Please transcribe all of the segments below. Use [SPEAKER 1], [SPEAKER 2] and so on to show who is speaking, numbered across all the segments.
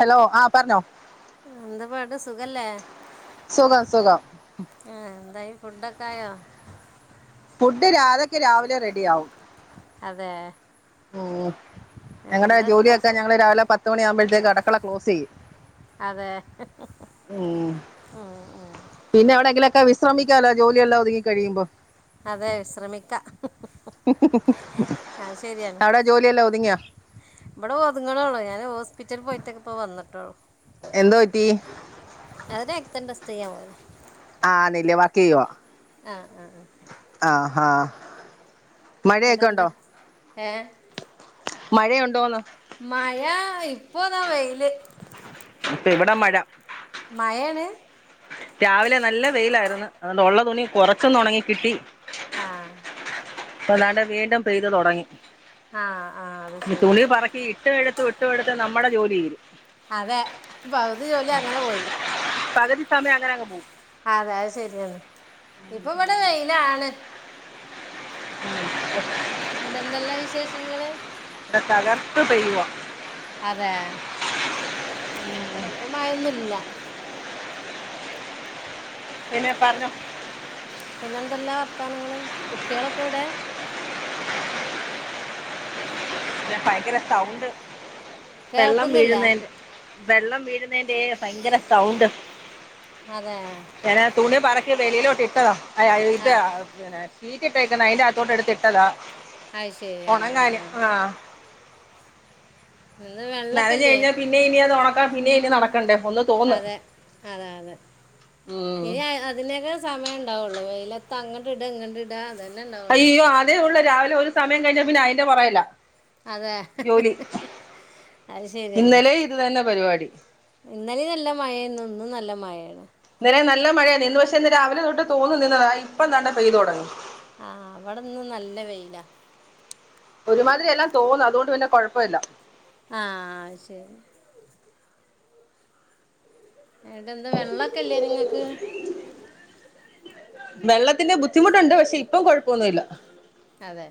[SPEAKER 1] Hello ആഹ് പറഞ്ഞോ.
[SPEAKER 2] ആഹ് എന്താ പാട് സുഖല്ലേ.
[SPEAKER 1] സുഖം സുഖം.
[SPEAKER 2] ആഹ് എന്തായി ഫുഡൊക്കെ ആയോ.
[SPEAKER 1] ഫുഡ് അതൊക്കെ രാവിലെ റെഡിയാവും.
[SPEAKER 2] അതേ.
[SPEAKER 1] ഉം ഞങ്ങളടെ ജോലിയൊക്കെ
[SPEAKER 2] സ്പെഷ്യൽ
[SPEAKER 1] ഞങ്ങള് രാവിലെ പത്തുമണിയാവുമ്പഴ്ത്തേക്ക് അട്ക്കള ക്ലോസ്സ് ചെയ്യും.
[SPEAKER 2] അതെ
[SPEAKER 1] ഉം.
[SPEAKER 2] ഉം ഉം.
[SPEAKER 1] പിന്നെ എവിടെങ്കിലൊക്കെ വിശ്രമിക്കാലോ ജോലിയെല്ലാം ഒതുങ്ങി കഴിയുമ്പോ.
[SPEAKER 2] അതെ വിശ്രമിക്കാ.
[SPEAKER 1] അവിടെ ജോലിയെല്ലാ ഒതുങ്ങ്യ.
[SPEAKER 2] ഇവിടെ ഒതുങ്ങണൊള്ളു ഞാന് ഹോസ്പിറ്റൽ പോയിട്ടൊക്കെ ഇപ്പൊ വന്നിട്ടൊള്ളു.
[SPEAKER 1] എന്തോ പറ്റി.
[SPEAKER 2] അഹ് രക്തം ടെസ്റ്റ് ചെയ്യാൻ പോയതാ.
[SPEAKER 1] ആ അതിന്റെ വർക്ക് ചെയ്യുവാ.
[SPEAKER 2] ആഹ് ആഹ് ആഹ്.
[SPEAKER 1] ആഹ് ഹാ. മഴയൊക്കെ
[SPEAKER 2] അതെന്താ
[SPEAKER 1] ഉണ്ടോ
[SPEAKER 2] ഏഹ്.
[SPEAKER 1] മഴയുണ്ടോന്ന്.
[SPEAKER 2] മഴ ഇപ്പൊതാ വെയില്.
[SPEAKER 1] ഇപ്പ ഇവിടെ മഴ.
[SPEAKER 2] മഴേണ്.
[SPEAKER 1] രാവിലെ നല്ല വെയിലാരുന്ന് അതുകൊണ്ട് ഒള്ള തുണി കൊറച്ചൊന്ന് ഒണങ്ങികിട്ടി.
[SPEAKER 2] ആഹ്.
[SPEAKER 1] ഇപ്പതാണ്ടേ വീണ്ടും പെയ്ത് തൊടങ്ങി
[SPEAKER 2] ആ ആ അത് ശരി
[SPEAKER 1] തുണി പറക്കി ഇ ഇട്ടു എടുത്തും, ഇട്ടു എടുത്തും നമ്മുടെ ജോലിതീരും.
[SPEAKER 2] അതെ പകുതി ജോലി അങ്ങനെ പോയി.
[SPEAKER 1] പകുതി സമയം അങ്ങനെ അങ് പോവും.
[SPEAKER 2] അതെ അഹ് ശെരിയാണ് ഇപ്പൊ ഇവിടെ വെയിലാണ്.
[SPEAKER 1] [inaudible]
[SPEAKER 2] ഇന്ന്ട്ടെന്തല്ലാ വിശേഷങ്ങള്.
[SPEAKER 1] ഇവടെ തകർത്ത് പെയ്യുവാ.
[SPEAKER 2] അതേ ഇവിടെ ഇപ്പൊ മയൊന്നുല്ലാ.
[SPEAKER 1] പിന്നെ പറഞ്ഞോ
[SPEAKER 2] പിന്നെ എന്തല്ല വർത്താനങ്ങള് കുട്ടികളൊക്കെ എവിടെ
[SPEAKER 1] പിന്നെ ഭയങ്കര സൗണ്ട് വെള്ളം
[SPEAKER 2] കേൾക്കുന്നില്ല
[SPEAKER 1] വീഴുന്നതിന്റെ വെള്ളം വീഴുന്നതിന്റെ ഭയങ്കരസൗണ്ട്
[SPEAKER 2] അതെ
[SPEAKER 1] ഞനാ തുണി പറക്കി വെളിയിലോട്ട് ഇട്ടതാ
[SPEAKER 2] ആ
[SPEAKER 1] ഷീറ്റ് ഇട്ടക്കുന്ന അയിന്റെ അകത്തോട്ട് എടുത്തിട്ടതാ
[SPEAKER 2] അത് ശരി ആ ആ
[SPEAKER 1] ഉണങ്ങാന്
[SPEAKER 2] ആ
[SPEAKER 1] ആഹ്
[SPEAKER 2] നിന്ന് വേ
[SPEAKER 1] നനഞ്ഞ് കഴിഞ്ഞാൽ പിന്നെ ഇനി അത് ഉണക്കാം പിന്നെ ഇനി നടക്കണ്ടേ ഒന്ന് തോന്ന്
[SPEAKER 2] അതെ അതെ അതെ
[SPEAKER 1] ഉം.
[SPEAKER 2] ഇനി അതിനൊക്കെ സമയം ഉണ്ടാവുള്ളൂ വെയിലത്തങ്ങട്ട് ഇടാ ഇങ്ങട്ട് ഇടാ ആഹ് അതന്നെ ഉണ്ടാവൂ
[SPEAKER 1] അയ്യോ അതേ ഉള്ളൂ രാവിലെ ഒരു സമയം കഴിഞ്ഞാ പിന്നെ അയിൻ്റെ പുറകിലാ
[SPEAKER 2] അതെ
[SPEAKER 1] ജോലി
[SPEAKER 2] അത്
[SPEAKER 1] ഇന്നലെയും ഇന്നും തന്നെ പരിപാടി
[SPEAKER 2] ഇന്നലെ നല്ല മഴ ആയിരുന്നു ഇന്നും നല്ല മഴയാണ്
[SPEAKER 1] ഇന്നലെ നല്ല മഴയാണ് ഇന്ന് പക്ഷേ ഇന്ന് രാവിലെ തൊട്ട് തൂന്ന് നിന്നീന്നതാ ഇപ്പം താണ്ടേ പെയ്തു തുടങ്ങി.
[SPEAKER 2] ആഹ് ഇവിടന്നും നല്ല വെയിലാ.
[SPEAKER 1] ഒരുമാതിരി എല്ലാം തോന്നാ അതുകൊണ്ട് പിന്നെ കുഴപ്പമില്ല.
[SPEAKER 2] ആഹ് ശെരി ഏടെ ഇന്ന് വെള്ളൊക്കെയില്ലേ നിങ്ങക്ക്?
[SPEAKER 1] വെള്ളത്തിന്റെ ബുദ്ധിമുട്ടുണ്ട്, പക്ഷെ ഇപ്പം കൊഴപ്പൊന്നൂല്ല.
[SPEAKER 2] അതെ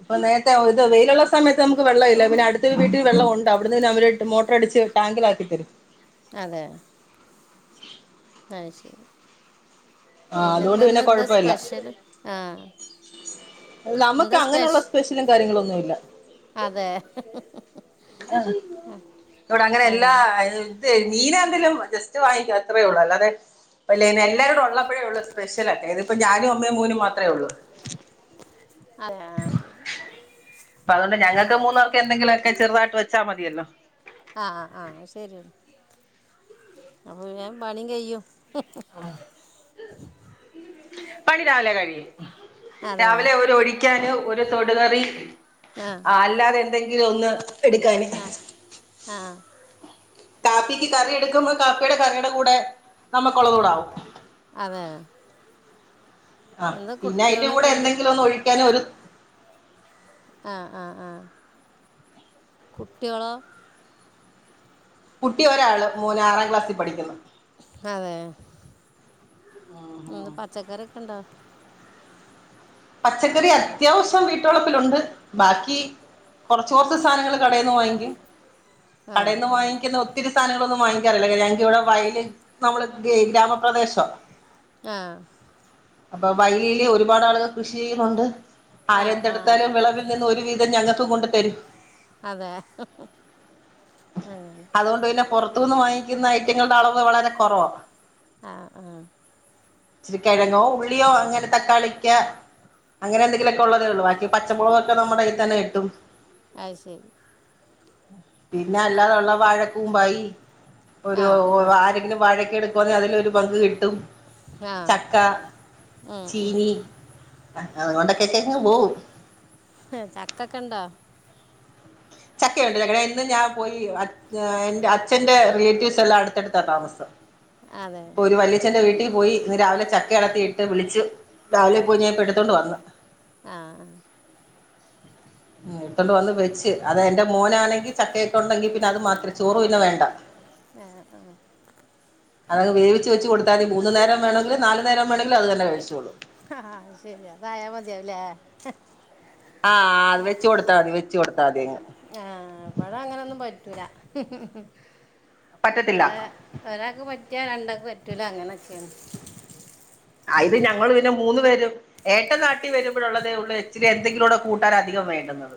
[SPEAKER 1] അപ്പൊ നേരത്തെ ഓര്ത് വെയിലുള്ള സമയത്ത് നമുക്ക് വെള്ളം ഇല്ല, പിന്നെ അടുത്തെരു വീട്ടിൽ വെള്ളം ഉണ്ട്. അവിടുന്ന് അവര് മോട്ടർ അടിച്ച് ടാങ്കിലാക്കി തരും.
[SPEAKER 2] അതെ അഹ് ശരി.
[SPEAKER 1] ആ
[SPEAKER 2] പിന്നെ
[SPEAKER 1] അതുകൊണ്ട്
[SPEAKER 2] എന്താന്നാ എന്താ
[SPEAKER 1] കുഴപ്പമില്ല
[SPEAKER 2] സ്പെഷ്യല് ആഹ്
[SPEAKER 1] നമക്ക്
[SPEAKER 2] എന്താ
[SPEAKER 1] അങ്ങനെയുള്ള
[SPEAKER 2] സ്പെഷ്
[SPEAKER 1] സ്പെഷ്യലും കാര്യങ്ങളും ഒന്നുല്ല.
[SPEAKER 2] അതെ
[SPEAKER 1] ഇവിടെ അങ്ങനെ എല്ലാ അ അതോ മീനാറിഞ്ഞല്ലോ ജസ്റ്റ് വാങ്ങിക്ക. അത്രയേ ഒള്ളൂ അല്ലാതെ അല്ലേ എല്ലാരോടും ഉള്ളപ്പോഴേ ഒള്ളൂ സ്പെഷ്യൽ ഒക്കെ ഇതിപ്പം ഞാനും അമ്മയും മോനും മാത്രേ ഒള്ളൂ.
[SPEAKER 2] അതേ ആഹ് ശരി.
[SPEAKER 1] അപ്പൊ അതുകൊണ്ട് ഞങ്ങക്ക് മൂന്നാർക്ക് എന്തെങ്കിലു ഒക്കെ ചെറുതായിട്ട് വെച്ചാൽ മതിയല്ലോ.
[SPEAKER 2] ആഹ് ആഹ് ശരി അപ്പൊം വേഗം പണി കയിയും
[SPEAKER 1] പണി രാവിലെ കഴിയും.
[SPEAKER 2] അതെ
[SPEAKER 1] രാവിലെ ഒരു ഒഴിക്കാന് ഒരു തൊടുകറിം
[SPEAKER 2] ആഹ്
[SPEAKER 1] അല്ലാതെ എന്തെങ്കിലും ഒന്ന് പെടുക്കാനും
[SPEAKER 2] ആഹ്
[SPEAKER 1] കാപ്പിക്ക് കറി എടുക്കുമ്പോ കാപ്പിയുടെ കറിയുടെ കൂടെ നമ്മുക്കുളളതൂടാവും.
[SPEAKER 2] അതേ
[SPEAKER 1] ആഹ് പിന്നെ അയിന്റെ
[SPEAKER 2] കുട്ടികള്
[SPEAKER 1] കൂടെ
[SPEAKER 2] എന്ത്
[SPEAKER 1] എന്തെങ്കിലും ഒന്ന് ഒഴിക്കാനും ഒരു
[SPEAKER 2] ആഹ് ആഹ് ആഹ് കുട്ടിയോളോ?
[SPEAKER 1] കുട്ടി ഒരാള് മോൻ ആറാം ക്ലാസ്സിൽ പഠിക്കുന്നു.
[SPEAKER 2] അതെ ഇന്ന് പച്ചക്കറിയൊക്കെ ഇണ്ടോ?
[SPEAKER 1] പച്ചക്കറി അത്യാവശ്യം വീട്ടുവളപ്പിലുണ്ട്. ബാക്കി കൊറച്ച് കൊറച്ച് സാനങ്ങൾ കടേന്ന് വാങ്ങിക്കും കടേന്ന്
[SPEAKER 2] ആഹ്
[SPEAKER 1] വാങ്ങിക്കുന്ന ഒ ഒത്തിരി സാധനങ്ങളൊന്നും വാങ്ങിക്കാറില്ല. ഞങ്ങക്ക് ഇവിടെ വയല് നമ്മള് ഏ ഗ്രാമ പ്രദേശാ.
[SPEAKER 2] ആഹ്
[SPEAKER 1] അപ്പൊ വഴിലീലേ ഒരുപാട് ആളുകൾ കൃഷി ചെയ്യുന്നുണ്ട്.
[SPEAKER 2] ആഹ് ആഹ് ആഹ്
[SPEAKER 1] ആരെന്തെടുത്താലും വിളവിൽ നിന്ന് ഒരുവീതം ഞങ്ങക്ക് കൊണ്ട് തരും.
[SPEAKER 2] അതേ അങ്ങനെ,
[SPEAKER 1] അതുകൊണ്ട് പിന്നെ പുറത്തൂന്ന് വാങ്ങിക്യുന്ന ഐറ്റങ്ങളുടെ അളവ് വളരെ കുറവാ.
[SPEAKER 2] ആഹ് ആഹ്
[SPEAKER 1] ഇച്ചിരി കെഴങ്ങോ ഉള്ളിയോ അങ്ങനെ തക്കാളിക്ക്യേ അങ്ങനെ എന്തെങ്കിലൊക്ക ഒള്ളതേ ഒള്ളൂ ബാക്കി പച്ചമുളകൊക്കെ നമ്മടെ കയ്യി തന്നെ കിട്ടും.
[SPEAKER 2] അഹ് ശരി
[SPEAKER 1] പിന്നെ അല്ലാതെ ഉള്ള വാഴക്കൂമ്പായി ഒരു
[SPEAKER 2] ആഹ്
[SPEAKER 1] ഒ
[SPEAKER 2] ആഹ്
[SPEAKER 1] ആരെങ്കിലും വാഴക്കെ എടുക്കോന്ന് അതിലൊരു പങ്ക് കിട്ടും.
[SPEAKER 2] ആഹ്
[SPEAKER 1] ചക്ക
[SPEAKER 2] ഉം ഉം
[SPEAKER 1] ചീനി അ അതുകൊണ്ടൊക്കെക്കങ്ങ് പോവും
[SPEAKER 2] ഹ് ചക്കക്കണ്ടാ
[SPEAKER 1] ചക്കയുണ്ട് ഞങ്ങളേൽ ഇന്നും ഞാപോയി അ ഞാ എന്റെ അച്ഛന്റെ റിലേറ്റീവ്സെല്ലാം അട്ത്തട്ത്താ താമസം
[SPEAKER 2] അതേ
[SPEAKER 1] ഇപ്പോ ഒരു വല്ല്യച്ഛൻ്റെ വീട്ടിൽ പോയി ഇന്ന് രാവിലെ ചക്ക അടർത്തിയിട്ട് വിളിച്ച് രാവിലെ പോയി ഞാൻ ഇപ്പ എടുത്തൊണ്ട് വന്നു
[SPEAKER 2] ആഹ്
[SPEAKER 1] മ് എട്ത്തോണ്ട്
[SPEAKER 2] അത്
[SPEAKER 1] വന്ന്
[SPEAKER 2] ശരി
[SPEAKER 1] വെച്ച് അത് എന്റെ മോനാണെങ്കി ചക്കയെക്കൊണ്ടങ്കി പിന്നെ അത് മാത്രം ചോറു പിന്നെ വേണ്ട
[SPEAKER 2] ആഹ് ആഹ്
[SPEAKER 1] അതങ്ങ് വേവിച്ച് വെച്ച് കൊടുത്താതി മൂന്ന് നേരം വേണോങ്കിലും നാല് നേരം വേണോങ്കിലും അത് തന്നെ കഴിച്ചോളും
[SPEAKER 2] ഹാഹാ അത്ശര്യാ അതായാമതിയാവൂല്ലേ
[SPEAKER 1] ആഹ് അത് വെച്ച് കൊടുത്താമതി വെച്ച് കൊടുത്താതി
[SPEAKER 2] ആഹ് ഇവട അങ്ങനൊന്നും പറ്റൂല
[SPEAKER 1] പറ്റത്തില്ല
[SPEAKER 2] ഇവടെ ഒരാക്ക് പറ്റിയാ രണ്ടാക്ക് പറ്റൂല അങ്ങനൊക്കേണ്
[SPEAKER 1] ആഹ് ഇത് ഞങ്ങള് പിന്നെ മൂന്ന് പേരും ഏട്ടൻ നാട്ടിൽ വെരുമ്പോഴുള്ളതേ ഒള്ളു ഇച്ചിരി എന്തെങ്കിലോടെ കൂട്ടാനധികം വേണ്ടുന്നത്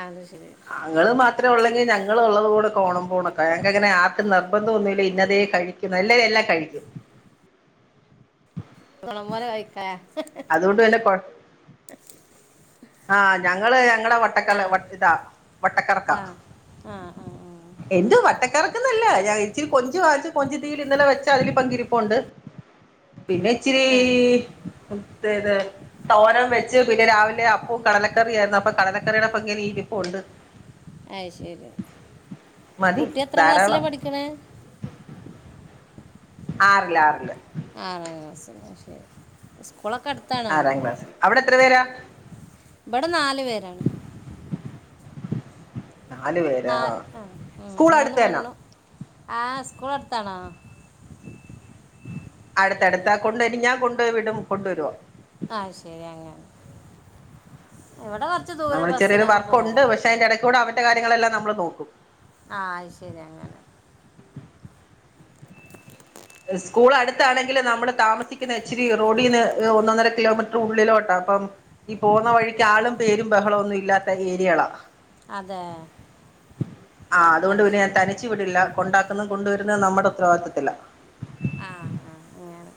[SPEAKER 2] ആഹ് അത് ശരി
[SPEAKER 1] അങ്ങള് മ ത്ര ഉള്ളെങ്കിൽ ഞങ്ങളുള്ളത് കൂടെ കോണം പോണക്ക ഞങ്ങക്കങ്ങനെ ആക്കും നിർബന്ധോന്നുല്ല ഇന്നതേ കഴിക്കു ക്കുന്ന എല്ലാരും എല്ലാകഴിക്കും
[SPEAKER 2] അവന്മാരു കായിക്ക
[SPEAKER 1] അതുകൊണ്ട് തന്നെ കൊഴ് ആഹ് ഞങ്ങള് ഞങ്ങള വട്ടക്കള്ള്
[SPEAKER 2] ആഹ്
[SPEAKER 1] വട്ട് താ വട്ടക്കർക്കാ
[SPEAKER 2] ആഹ് ആഹ് ആഹ്
[SPEAKER 1] എന്ത് വട്ടക്കറക്കന്നല്ല ഞാൻ ഇച്ചിരി കൊഞ്ച് വാങ്ങിച്ചോ കൊഞ്ചിതീല് ഇന്നലെ വെച്ചാ അതില് പങ്കിരിപ്പുണ്ട് പിന്നെ ഇച്ചിരി
[SPEAKER 2] ആഹ് ആഹ്
[SPEAKER 1] മ് ത് ഏത് തോരൻ വെച്ച് പിന്നെ രാവിലെ അ പോം കടലക്കറിയാരുന്നു അപ്പൊ കടലക്കറിടെ പങ്ക്നീരിപ്പുണ്ട്
[SPEAKER 2] അയ്ശെരി
[SPEAKER 1] മതി
[SPEAKER 2] കുട്ടി എത്രാക്ലാസ്സില
[SPEAKER 1] ധാരാളം
[SPEAKER 2] പഠിക്ക്ണേ
[SPEAKER 1] ആറില് ആറില്
[SPEAKER 2] ആറാം ക്ലാസിലലെ ശെരി സ്കൂളൊക്കെ അടുത്താണോ
[SPEAKER 1] ആറാം ക്ലാസ്സിൽ അവിടെ എത്ര പേരാ
[SPEAKER 2] ഇബട നാല് പേരാണ്
[SPEAKER 1] നാല് പേരാ
[SPEAKER 2] നാൽ ആഹ് ഉം
[SPEAKER 1] സ്കൂൾ
[SPEAKER 2] മൂന്ന്
[SPEAKER 1] അടുത്ത് തന്നാ
[SPEAKER 2] പെണ്ണും ആഹ് സ്കൂള് അടുത്താണോ
[SPEAKER 1] അട്ത്തട്ത്താ കൊണ്ടരും ഞാൻ കൊണ്ടോയ് വിടും കൊണ്ടുവരോ
[SPEAKER 2] ആയ്ശെരി അങ്ങനെ ഇവടെ വ
[SPEAKER 1] നമ്മള് ചെറിയൊരു വർക്കുണ്ട് പക്ഷെ അയിന്റെയെടെകൂടെ അവന്റെ കാര്യങ്ങളെല്ലാം നമ്മള് നോക്കും
[SPEAKER 2] ആഹ് ആയ്ശെരി അങ്ങനെ
[SPEAKER 1] സ്കൂള് അടുത്താണെങ്കില് നമ്മള് താമസിക്കുന്നെ ഇച്ചിരി റോഡീന്ന് ഒന്നൊന്നര കിലോമീറ്റർ ഉള്ളിലോട്ടാ അപ്പം ഈ പോകുന്ന വഴിക്ക് ആളും പേരും ബഹളോന്നും ഇല്ലാത്ത ഏരിയകളാ
[SPEAKER 2] അതെ
[SPEAKER 1] ആഹ് അത്കൊണ്ട്
[SPEAKER 2] അത്
[SPEAKER 1] പിന്നെ ഞാൻ
[SPEAKER 2] ശരി
[SPEAKER 1] തനിച്ച് വിടില്ല കൊണ്ടാക്കുന്നേം കൊണ്ടുവെരുന്നേം നമ്മുടെ ഉത്തരവാദിത്തത്തില
[SPEAKER 2] ആഹ് ആഹ് അങ്ങനെ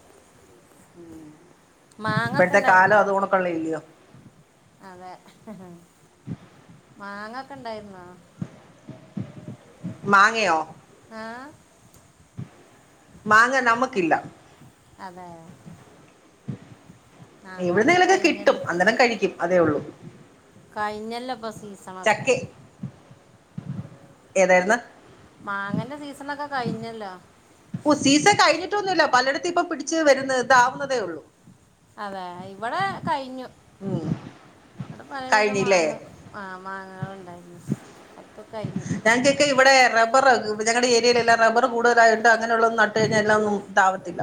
[SPEAKER 2] മാങ്ങ ഒക്കെ
[SPEAKER 1] ഇപ്പോഴത്തെ കാലം
[SPEAKER 2] ഉണ്ടായിരുന്നോ
[SPEAKER 1] അത്കൊണുക്കൊള്ളേല്യോ
[SPEAKER 2] അതെ മാങ്ങ ഒക്കെഇഉണ്ടായിരുന്നോ
[SPEAKER 1] മാങ്ങയോ
[SPEAKER 2] ആഹ്
[SPEAKER 1] മാങ്ങ നമുക്കില്ല.
[SPEAKER 2] അതെ. ആ കാലൊക്കെ
[SPEAKER 1] എവിടുന്നേലൊക്കെ കിട്ടും.
[SPEAKER 2] കഴിഞ്ഞല്ലോ
[SPEAKER 1] അന്നേരം കഴിക്കും. അതേ ഉള്ളൂ.
[SPEAKER 2] കഴിഞ്ഞല്ലൊ ഇപ്പ സീസണൊക്കെ.
[SPEAKER 1] ചക്കെ ഏതായിരുന്നു.
[SPEAKER 2] മാങ്ങന്റെ സീസണൊക്കെ കഴിഞ്ഞല്ലോ.
[SPEAKER 1] ഓഹ് സീസ കഴിഞ്ഞിട്ടൊന്നുല്ല. പലടത്തും ഇപ്പ പിടിച്ച് വരുന്ന താവുന്നതേ ഉള്ളൂ.
[SPEAKER 2] അതെ. ഇവിടെ കഴിഞ്ഞു.
[SPEAKER 1] ഉം
[SPEAKER 2] ഇവിടെ പലവിധം
[SPEAKER 1] കഴിഞ്ഞില്ലേ
[SPEAKER 2] മാങ്ങ ആഹ് മാങ്ങകൾണ്ടായിരുന്നു. ഒക്കെ കഴിഞ്ഞു.
[SPEAKER 1] ഞങ്ങക്കൊക്കെ ഇവിടെ റബ്ബർ ഞങ്ങള ഏരിയയിലെല്ല റബ്ബർ കൂടുതലായിട്ട അങ്ങനെയുള്ളന്നും നട്ട് കഴിഞ്ഞാ എല്ലാം ഒന്നും താവത്തില്ല.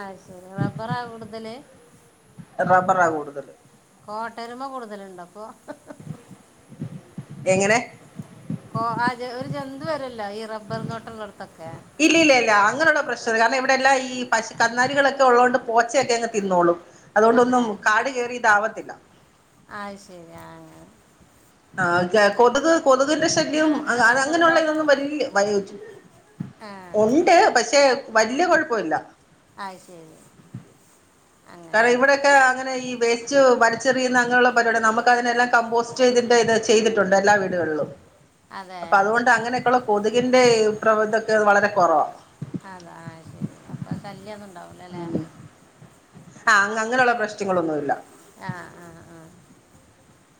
[SPEAKER 2] അഹ് ശരി. റബ്ബറാ കൂടുതല്.
[SPEAKER 1] റബ്ബറാ കൂടുതല്.
[SPEAKER 2] കോട്ടരുമ്പോ കൂടുതലുണ്ടോ അപ്പൊ.
[SPEAKER 1] എങ്ങനെ.?
[SPEAKER 2] കോ ആഹ് ഒരു ജന്തു വരല്ലേ. ഈ റബ്ബർ തോട്ടള്ളൊട്ത്തൊക്കെ.
[SPEAKER 1] ഇല്യ ല്യ ല്യ. അങ്ങനെള്ള പ്രശ്ന കാരണം ഇവിടെ എല്ലാം ഈ പശു കന്നാലികളൊക്കെ ഉള്ളൊണ്ട് പോച്ചയക്കെ അങ് തിന്നോളും.
[SPEAKER 2] അതെ
[SPEAKER 1] അതൊണ്ടൊന്നും കാട് കയറി ഇതാവത്തില്ല.
[SPEAKER 2] അഹ് ശരി. ആഹ്
[SPEAKER 1] ആഹ് ന്നെ കൊതുക് കൊതുകിന്റെ
[SPEAKER 2] ആ
[SPEAKER 1] ശല്യം
[SPEAKER 2] അങ്ങനെ
[SPEAKER 1] അങ്ങ
[SPEAKER 2] റബ്ബർ
[SPEAKER 1] അങ്ങനെയുള്ള
[SPEAKER 2] തോട്ടം
[SPEAKER 1] ഇതൊന്നും
[SPEAKER 2] ഉള്ള-
[SPEAKER 1] വല്യ വരി
[SPEAKER 2] ആ
[SPEAKER 1] ഉണ്ട്. പക്ഷെ വല്യ കൊഴപ്പല്യ.
[SPEAKER 2] അയ് ശരി. അങ്ങനെ
[SPEAKER 1] കാരണം ഇവിടെക്കെ അങ്ങനെഈ വേസ്റ്റ് വരിച്ചെറിയുന്ന അങ്ങനെയുള്ള പരിപാടി ഒന്നും നമുക്ക് അതിനെല്ലാം കമ്പോസ്റ്റ് റ്റ തിന്റെ ഇത് ചെയ്തിട്ടുണ്ട്. എല്ലാ വീടുകളിലും.
[SPEAKER 2] അതെ
[SPEAKER 1] അപ്പൊ അതുകൊണ്ട് അങ്ങനൊക്കള്ള കൊതുകിന്റെ ഈ പ്രവ്തൊക്കെ വളരെ കുറവാ.
[SPEAKER 2] അതാ. ആഹ് ശരി. അപ്പ ശല്യന്നും ണ്ടാവൂല ല്ലേ.
[SPEAKER 1] ആഹ് അങ്ങ് അങ്ങനെള്ള പ്രശ്നങ്ങളൊന്നുമില്ല.
[SPEAKER 2] ആഹ് ആഹ് ആഹ്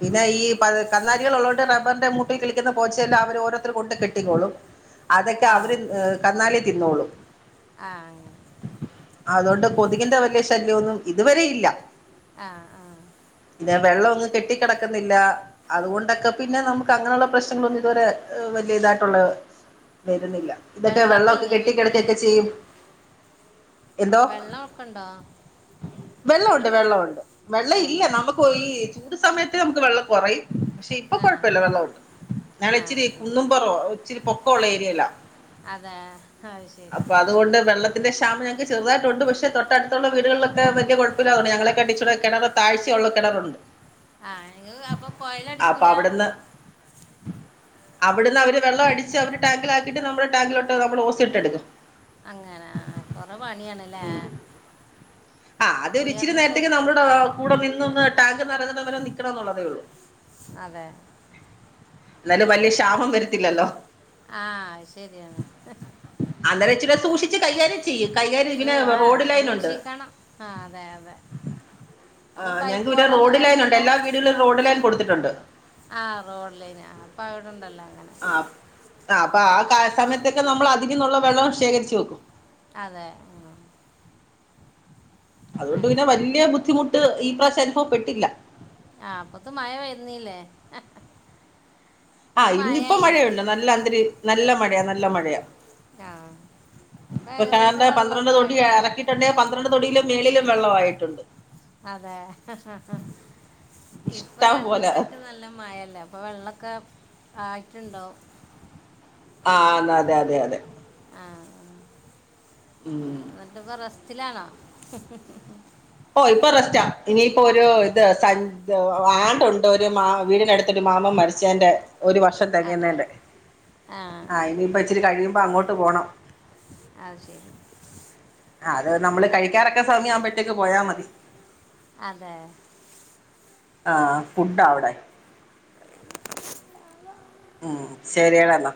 [SPEAKER 1] പിന്നെ ഈ കന്നാലികള്ളൊണ്ട് റബ്ബറിന്റെ മൂട്ടിൽ കളിക്കുന്ന പോച്ചെല്ലാം അവര് ഓരോരുർ കൊണ്ട് കെട്ടിക്കോളും. അതൊക്കെ
[SPEAKER 2] ആ ആ
[SPEAKER 1] അവര് ഏഹ് കന്നാലി തിന്നോളും.
[SPEAKER 2] ആഹ് അങ്ങനെ.
[SPEAKER 1] അതൊണ്ട് കൊതുകിന്റെ വല്യ ശല്യന്നും ഇതുവരെ ഇല്ല.
[SPEAKER 2] ആഹ് ആഹ്
[SPEAKER 1] പിന്നെ വെള്ളന്നും കെട്ടിക്കിടക്കുന്നില്ല. അതുകൊണ്ടൊക്കെ പിന്നെ നമുക്ക് അങ്ങനെയുള്ള പ്രശ്നങ്ങളന്നും ഇതുവരെ വലിയ ഇതായിട്ടുള്ള വരുന്നില്ല. ഇതൊക്കെ
[SPEAKER 2] വെള്ളമൊക്കെ
[SPEAKER 1] വെള്ളൊക്കെ
[SPEAKER 2] ഇല്ലേ വീട്ടിൽ
[SPEAKER 1] കെട്ടിക്കിടക്കൊക്കെ ചെയ്യും.
[SPEAKER 2] വെള്ള ക്കണ്ടോ?
[SPEAKER 1] വെള്ളഉണ്ട് വെള്ളുണ്ട്. വെള്ളം
[SPEAKER 2] ആ
[SPEAKER 1] ഇല്ല. നമുക്ക് ഈ ചൂട് സമയത്ത് നമുക്ക് വെള്ളം കുറയും. പക്ഷെ ഇപ്പൊ
[SPEAKER 2] ആ
[SPEAKER 1] കുഴപ്പല്ല. വെള്ള ഉണ്ട്. ഞള്
[SPEAKER 2] ആ ആ
[SPEAKER 1] ഇച്ചിരി കുന്നും പൊറ. ഇച്ചിരി പൊക്കള്ള ഏരിയലാ.
[SPEAKER 2] ആഹ് അഹ് ശരി.
[SPEAKER 1] അപ്പം അതുകൊണ്ട് വെള്ളത്തി ക്ഷാമം ഞങ്ങക്ക് ചെറുതായിട്ടുണ്ട്. പക്ഷെ തട്ടടുത്തുള്ള വീടുകളിലൊ വലിയ കുഴപ്പില്ലാവുന്നു. ഞങ്ങളെ കണ്ടിച്ചൂ കെണറ് താഴ്ചയുള്ള കിണറുണ്ട്.
[SPEAKER 2] ആഹ് നിങ്ങള് അപ്പൊ കൊയല
[SPEAKER 1] അപ്പൊ
[SPEAKER 2] ടിക്കൂല.
[SPEAKER 1] അവിടുന്ന് അവിടുന്ന് അവര് വെള്ളം അടിച്ച് അവര് ടാങ്കിലാക്കീട്ട് നമ്മള ടാങ്കിലോട്ട് നമ്മള് ഓസിട്ടെടുക്കും
[SPEAKER 2] അങ്ങനാ കൊറെ പണിയണ്ലേ
[SPEAKER 1] ആഹ് അതൊരിച്ചിരി നേരത്തേക്ക് നമ്മടെ കൂട നിന്നൊന്ന് ടാങ്ക് നെറക്ന്ന വരെ നിക്കണംന്നുള്ളതെ ഉള്ളു
[SPEAKER 2] അതേ
[SPEAKER 1] എന്നാലും വലിയ ക്ഷാപം വരത്തില്ലല്ലൊ
[SPEAKER 2] ആഹ് അയ് ശരിയാണ്
[SPEAKER 1] അന്നരച്ചിരി സൂക്ഷിച്ച് കൈകാര്യം ചിയ്യ് കൈകാര്യം പിന്നെ റോഡ് ലൈനുണ്ട്
[SPEAKER 2] ആഹ് അതേ അതെ അപ്പോൾ
[SPEAKER 1] ആഹ്
[SPEAKER 2] പൈപ്പ്
[SPEAKER 1] ഞങ്ങക്ക് ഇവിടെ
[SPEAKER 2] വെള്ളമൊന്നും
[SPEAKER 1] റോഡ് ലൈൻ ഉണ്ട്
[SPEAKER 2] വരുന്നില്ല
[SPEAKER 1] എല്ലാ വീടുകളും റോഡ് ലൈൻ കൊടുത്തിട്ടുണ്ട്
[SPEAKER 2] ആഹ് റോഡ് ലൈൻ ആഹ് അപ്പൊ അവിടുണ്ടല്ലൊ അങ്ങനെ
[SPEAKER 1] ആഹ് ആഹ് അപ്പ ആ സമയത്തൊക്ക നമ്മള അധികംന്നുള്ള വെള്ളം ശേഖരിച്ചു വെക്കും
[SPEAKER 2] അതേ ഉം
[SPEAKER 1] അതുകൊണ്ട് പിന്നെ
[SPEAKER 2] അങ്ങനെ
[SPEAKER 1] വല്യ ബുദ്ധിമുട്ട് ഈ പ്രാവശ്യ അനുഭവ പെട്ടില്ല
[SPEAKER 2] ആഹ് അപ്പത്തെ മഴ വരുന്നില്ലെ
[SPEAKER 1] ആഹ് ഇന്നിപ്പൊ മഴയുണ്ട് നല്ല അന്തരി നല്ല മഴയ നല്ല മഴയ
[SPEAKER 2] ആഹ് ഇപ്പ ഏകദേശ വള്ളൊക്ക ആയിട്ട്ണ്ടാവു
[SPEAKER 1] ണ്ടെ പന്ത്രണ്ട് തൊടിയിലും മേളിലു വെള്ളവായിട്ടുണ്ട്
[SPEAKER 2] അതെ ഇപ്പൊ
[SPEAKER 1] ഇഷ്ടം പോലെ
[SPEAKER 2] രണ്ടൂസായിട്ട് നല്ല മഴല്ലെ ഇപ്പൊ വെള്ളക്കെ ആയിട്ടുണ്ടാവും
[SPEAKER 1] ആഹ് ന്ന അതെ അതെ അതെ
[SPEAKER 2] ആഹ് ആഹ്
[SPEAKER 1] ഉം
[SPEAKER 2] ഇപൊ റസ്റ്റിലാണോ
[SPEAKER 1] ഓഹ് ഇപ്പൊ റസ്റ്റ ഇനിയിപ്പോ ഒരൂ
[SPEAKER 2] അതെ
[SPEAKER 1] ഇത് സ ആണ്ടുണ്ട് ഒരു മാ വീടിനടുത്തൊരു മാമൻ മരി അച്ചേൻ്റെ ഒരു വർഷം
[SPEAKER 2] അതെ
[SPEAKER 1] തികയ്ന്നേന്റെ
[SPEAKER 2] ആ
[SPEAKER 1] ആഹ് ഇനിയിപ്പൊ ഇച്ചിരി കഴിയുമ്പൊ അങ്ങോട്ട് പോണം
[SPEAKER 2] അത് ശരി
[SPEAKER 1] ആഹ് അത് നമ്മള് കഴിക്കാറൊക്കെ സമയാവുമ്പഴ്ത്തേക്ക് പോയാ മതി
[SPEAKER 2] അതേ
[SPEAKER 1] ആഹ് പുട്ട അവ്ടെ
[SPEAKER 2] [unintelligible]
[SPEAKER 1] ഉം ശരിയട എന്ന